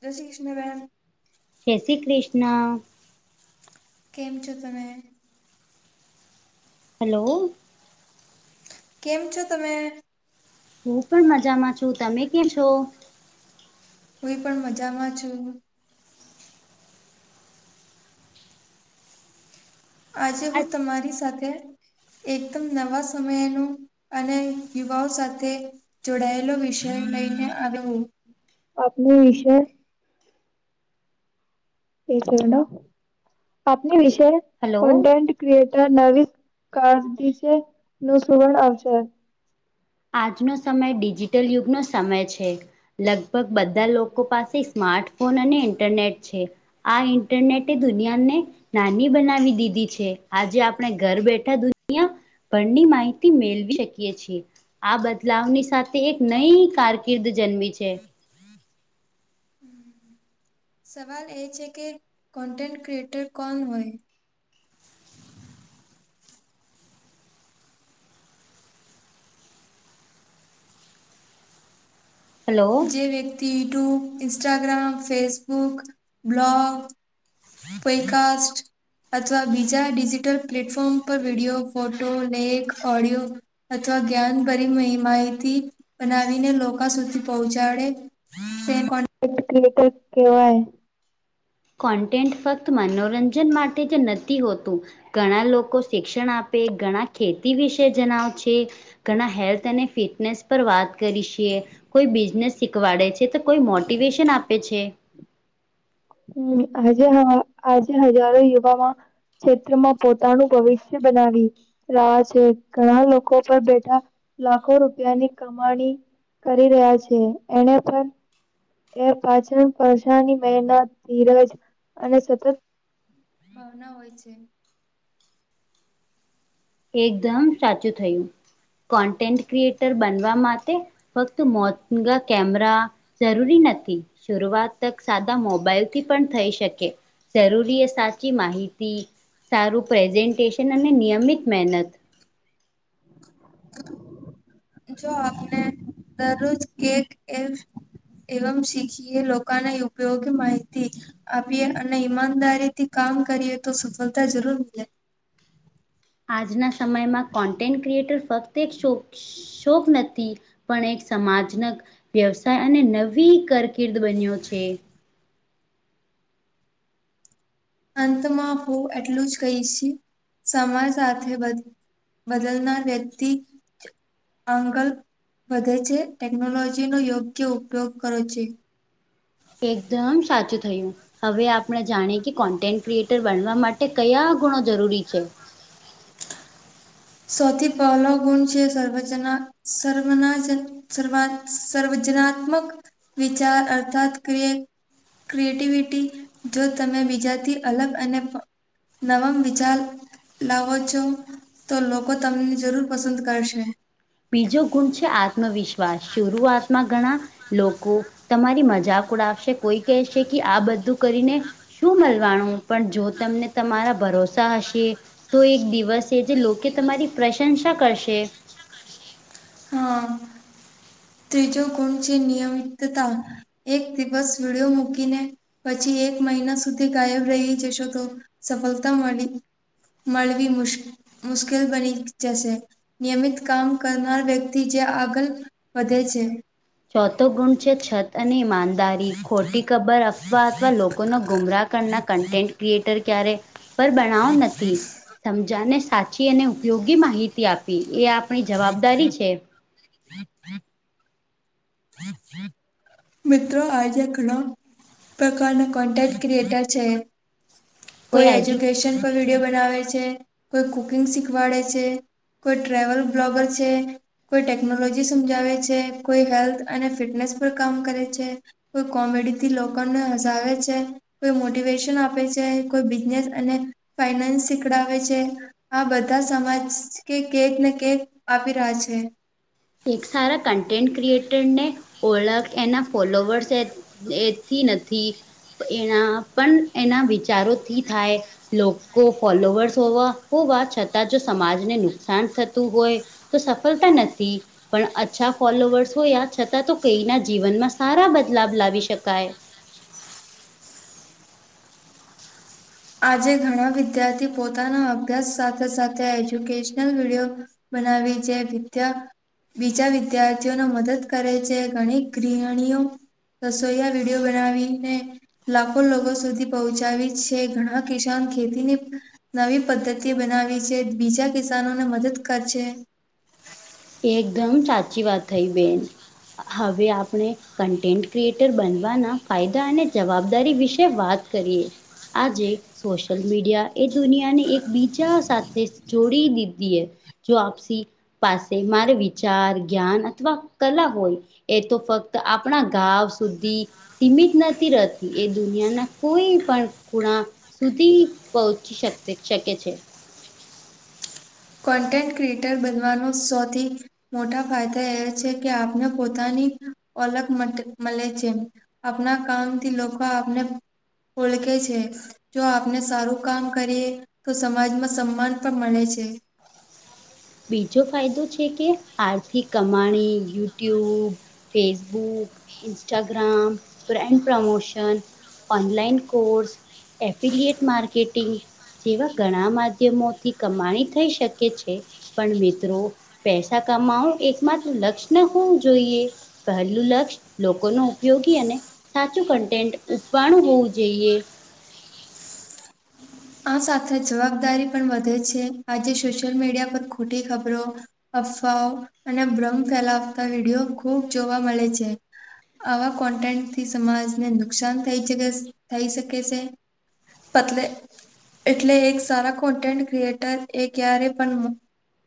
જય શ્રી કૃષ્ણ બેન! જય શ્રી કૃષ્ણ કેમ છો તમે હલો કેમ છો તમે હું પણ મજામાં છુ, તમે ક છો. હુંઈ પણ મજામાં છુ. આજે હું તમારી સાથે એકદમ નવા સમયનું અને યુવાઓ સાથે જોડાયેલો વિષય લઈને આપ વિષય પ છે આપપની વિશે હલો કન્ટ ક્રિટર નવી કશે નું સુવણ આવશે આજનો સમય ડિજિટલ યુગનો સમય છે. લગભગ બધા લોકો પાસે સ્માર્ટફોન અને ઇન્ટરનેટ છે. આ ઇન્ટરનેટ એ દુનિયા ને નાની બનાવી દીધી છે, આજે આપણે ઘર બેઠા દુનિયા પણની માહિતી મેળવી શકીએ છીએ. આ બદલાવની સાથે એક નઈ કારકિર્દ જન્મ છે. સવાલ એ છે કે કોન્ટેન્ટ ક્રિએટર કોણ હોય. હલો જે વ્યક્તિ યુટ્યુબ ઇન્સ્ટાગ્રામ ફેસબુક બ્લોગ પઈકાાસ અથવા બીજા ડિજિટલ પ્લેટફોર્મ પર વિડીિયો ફોટો લેક ઓડિયો અથવા જ્ઞાનભરી માહિતી બનાવીને લોકો સુધી પહોંચાડે કોે ક્રિએટર કેવાય કોન્ટેન્ટ ફક્ત મનોરંજન માટે જ નથી હોતુ. ઘણા લોકો શિક્ષણ આપે ઘણા ખેતી વિશે જણાવ છે. ઘણા હેલ્થ અને ફિટનેસ પર વાત કરી છેએ કોઈ બિઝનેસ શીખવાડે છે તો કોઈ મોટિવેશન આપે છે. હમ આજે આજે હજારો યુવામા ક્ષેત્રમાં પોતાનું ભવિષ્ય બનાવી રહ્યા છે ઘણા લોકો પર બેઠા લાખો રૂપિયાની કમાણી કરી રહ્યા છે, એને પર એ પાચન પષાની મહેનત ધીરજ અને સતત ભાવના હોય છે. એકદમ સાચું થયું કોન્ટેન્ટ ક્રિએટર બનવા માટે ફક્ત મોતગ કેમરા જરૂરી નથી શરૂઆત સાદા મોબાઈલથી પણ થઈ શકે જરૂરી એ સાચી માહિતી સારું પ્રેઝન્ટેશન અને નિયમિત મહેનત [inaudible] જો આપને દરરોજ કેક એ એવમ શીખી એ લોકના ઉપયોગી માહિતી આપીએ અને ઈમાનદારી થી કામ કરીએ તો સફળતા જરૂર મળે આજના સમયમાં કોન્ટેન્ટ ક્રિએટર ફક્ત એક શો શોક નથી પણ એક સમાજ ન વ્યવસાય અને નવી કારકિર્દ બન્યો છે. અંતમાં હો એટલું જ કહીશ સમાજ સાથે બધુ બદલનાર વ્યક્તિ આંગલ વધે છે ટેકનોલોજી નો યોગ્ય ઉપયોગ કરો છે. એકદમ સાચું થયુ હવે આપણે જાણીએ કે કોન્ટેન્ટ ક્રિએટર બનવા માટે કયા ગુણો જરૂરી છે. સૌથી પહેલો ગુણ છે, સર્વજના સર્વના જ સર્વા સર્વજનાત્મક વિચાર અર્થાત ક્ર ક્રિએટિવિટી જો તમે બીજાથી અલગ અને નવમ વિચાર લાવો છો. તો લોકો તમને જરૂર પસંદ કરશે બીજો ગુણ છે, આત્મવિશ્વાસ શરૂઆતમાં ઘણા લોકો તમારી મજાક ઉડાવશે કોઈ કહેશે કે આ બધું કરીને શું મલવાણુ પણ જો તમને તમારા ભરોસા હશે તો એક દિવસ જે લોકે તમારી પ્રશંસા કરશે હ ત્રીજો ગૂણ છે, નિયમિતતા એક દિવસ વિડીયો મૂકીને પછી એક મહિના સુધી ગાયબ રહી જશો તો સફલતા મલી મળવી મુશ મુશ્કેલ બની જશે નિયમિત કામ કરનાર વ્ય તી જે આગલ વધે છે. ચોથો ગુણ છે, છત અને ઈમાનદારી ખોટી કબર અફવા અથવા લોકોના ગુમરાહ કરના કં ટેન્ટ ક્રિએટર ક્યારે પર બણાવ નથી સમજાને સાચી અને ઉપયોગી માહિતી આપી એ આ પણી જવાબદારી છે. મિત્રો આજે ઘણા પ્રકારના કોન્ટેન્ટ ક્રિએટર છે. કોઈ એજુકેશન વિડીયો બનાવે છે, કોઈ કુકિંગ શીખવાડે છે. કોઈ ટ્રેવલ બ્લોગર છે. કોઈ ટેકનોલોજી સમજાવે છે, કોઈ હેલ્થ અને ફિટનેસ પર કામ કરે છે.. કોઈ કોમેડીથી લોકોને હસાવે છે. કોઈ મોટિવેશન આપે છે, કોઈ બિઝનેસ અને ફાઈનાન્સ શીખડાવે છે. આ બધા સમાજ કે કેક ને કેક આપી રહ્યા છે. એક સારા કન્ટેન્ટ ક્રિએટર ને ઓળખ એના ફોલોવર્સ એથી નથી એના પણ એના વિચારોથી થાય લોકો ફોલોવર્સ હોવા હોવા છતાં જો સમાજને નુકસાન થતું હોય તો સફલતા નથી. પણ અચ્છા ફોલોવર્સ હોયા છતાં તો કઈના જીવનમાં સારા બદલાવ લાવી શકાય આજે ઘણા વિદ્યાર્થી પોતાના અભ્યાસ સાથે સાથે એજ્યુકેશનલ વિડીયો બનાવી જે વિદ્યા બીજા વિદ્યાર્થીઓને મદદ કરે છે, ઘણી ગૃહણીઓ રસોયા વિડીયો બનાવીને લાખો લોકો સુધી પહોંચાવી છે, ઘણા હ કિસાન ખેતી ને નવી પદ્ધતિ બનાવી છે, બીજા કિસાનોને મદદ ક છે. એકદમ સાચી વાત થઈ બેન હવે આપણે કન્ટેન્ટ ક્રિએટર બનવાના ફાયદા અને જવાબદારી વિશે વા કરીએ આજે સોશિયલ મીડિયા એ દુનિયાને એક બીજા સાથે જોડી દીધી એ જો આપસી પાસે મારે વિચાર, જ્ઞાન અથવા કલા હોય એ તો ફક્ત આપણા ગાવ સુધી સીમિત નથી રહેતી એ દુનિયાના કોઈ પણ ખૂણા સુધી પહોંચી શક શકે છે. કોન્ટેન્ટ ક્રિએટર બનવાનું સૌથી મોટા ફાયદા એ છે, કે આપને પોતાની ઓલગ મ મળે છે. આપના કામથી લોકો આપને ઓલખે છે. જો આપને સારું કામ કરીએ તો સમાજમાં સન્માન પણ મલે છે. બીજો ફાયદો છે, કે આર્થિક કમાણી YouTube Facebook, Instagram brand and promotion online course affiliate marketing જેવા ઘણા માધ્યમોથી કમાણી થઈ શકે છે. પણ મિત્રો પૈસા કમાવો એક માત્ર લક્ષ્ય ન હોવું જોઈએ પહેલું લક્ષ્ય લોકોનુ ઉપયોગી અને સાચું કન્ટેન્ટ ઉપવાનું હોવું જોઈએ. આ સાથે જવાબદારી પણ વધે છે આજે સોશિયલ મીડિયા પર ખોટી ખબરો અફવાઓ અને ભ્રમ ફેલાવતા વિડીયો ખુબ જોવા મળે છે. આવા કોન્ટેન્ટથી સમાજને નુકસાન થઈ થઈ શકે છે. પતલે એટલે એક સારા કોન્ટેન્ટ ક્રિએટર એ ક્યારે પણ.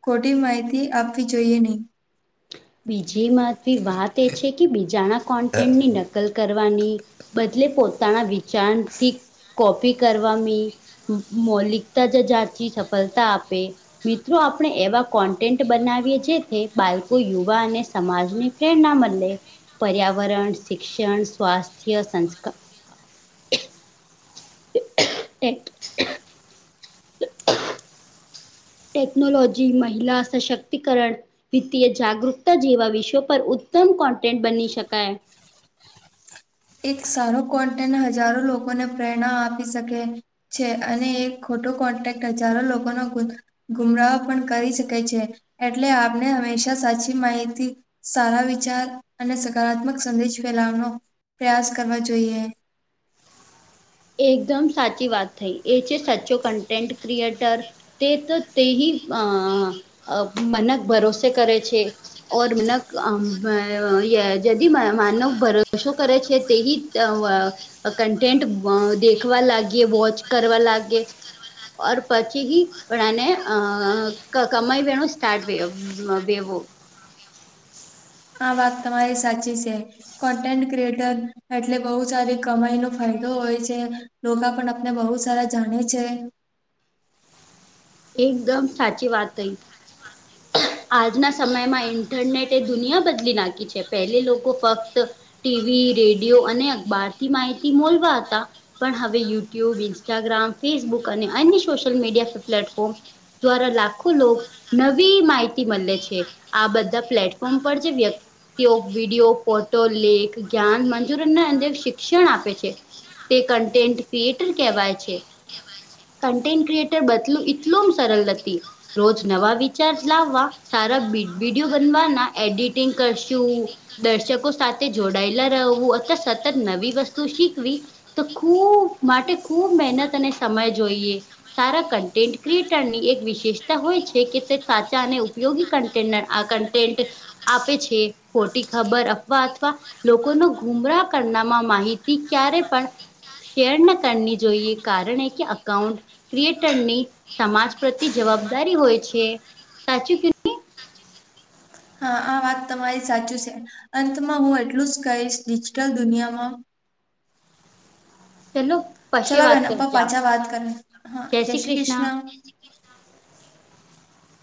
ખોટી માહિતી આપવી જોઈએ નહી. બીજી મહવી વાત એ છે કે બીજા ના કોન્ટેન્ટની નક નકલ કરવાની બદલે પોતાના વિચારથી કોપી કરવાની. મૌલિકતા જ જાચ સફળતા આપે. મિત્રો આપણે એવા કોન્ટેન્ટ બનાવીએ જે બાળકોયુ યુવા અને સમાજની પ્રેરણા મળે. પર્યાવરણ શિક્ષણ સ્વાસ્થ્ય સંસ્કાર ટેટ ટેક્નોલોજી મહિલા સશક્તિકરણ. વિત્તીય જાગૃતતા જેવા વિષયો પર ઉત્તમ કોન્ટેન્ટ બની શકાય. એક સારો કોન્ટેન્ટ હજારો લોકોને પ્રેરણા આપી શકે. છે અને એક ખોટો કોન્ટેન્ટ હજારો લોકોનો ગુ ગુમરાહો પણ કરી શકે છે એટલે આપને હંમેશા સાચી માહિતી. સારા વિચાર અને સકારાત્મક સંદેશ ફેલાવાનો પ્રયાસ કરવા જોઈએ. એકદમ સાચી વાત થઈ એ છે સાચો કન્ટેન્ટ ક્રિએટર તે તો તે હિ અ મનક ભરોસે કરે છે. ઓર મનક માનવ ભરોસો કરે છે તેથી. કન્ટેન્ટ દેખવા લાગીએ વોચ કરવા લાગી એ. ઓર પછી હ પણને અ કમાઈ વેણું સ્ટાર્ટ વવો. આ વાત તમારી સાચી છે. કોન્ટેન્ટ ક્રએટર એટલે બહુ સારી કમાઈ નો ફાયદો હોય છે. લોકોકા પણ આપને બહુ સારા જાણે છે. એકદમ સાચી વાત થઈ. આજના સમયમાં ઇન્ટરનેટ એ દુનિયા બદલી નાખી છે પહેલે લોકો ફક્ત. ટીવી રેડિયો અને અખબારથી માહિતી મોલવા હતા. પણ હવે યુટ્યુબ ઇન્સ્ટાગ્રામ ફેસબુક અને અન્ય સોશિયલ મીડિયા પ્લેટફોર્મ, દ્વારા લાખો લોગ ફ્રી માહિતી મળે છે આ બધા પ્લેટફોર્મ પર જે વ્ય વિડીયો ફોટો લેખ જ્ઞાન મંજૂરી ના અંદે શિક્ષણ આપે છે. તે કન્ટેન્ટ ક્રિએટર કહેવાય છે. કન્ટેન્ટ ક્રિએટર બદલું એટલું સરળ નથી રોજ નવા વી ચાર્જ લાવવા સારા વિડીયો બનવાના એડિટિંગ કરશું. દર્શકો સાથે જોડાયેલા રહેવું અથવા સતત નવી વસ્તુ શીખવી. તો ખૂબ માટે ખૂબ મહેનત અને સમય જોઈએ. સારા કન્ટેન્ટ ક્રિએટર ની એક વિશેષતા હોય છે કે સાચા અને ઉપયોગી કન્ટનર આ કન્ટેન્ટ. આપે છે ખોટી ખબર અફવા અથવા. લોકોનો ગુમરાહ કરનામાં માહિતી ક્યારે પણ. શેર ન કરની જોઈએ કારણ એ કે અકાઉન્ટ. ક્રિએટરની સમાજ પ્રત્ય જવાબદારી હોય છે સાચું કીધું હા આ વાત તમારી સાચી છે અંતમાં હું એટલું જ કહીશ ડિજિટલ દુનિયામાં ચલો. પશે ચલા ભે વાત આપા કરજા પાછા વાત કરે હા જય શ્રી કૃષ્ણ.